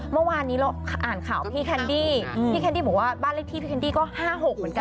เมื่อวานนี้เราอ่านข่าวพี่แคนดี้พี่แคนดี้บอกว่าบ้านเลขที่พี่แคนดี้ก็๕๖เหมือนกัน